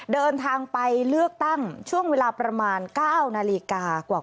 เดินทางไปเลือกตั้งช่วงเวลาประมาณ๙นาฬิกากว่า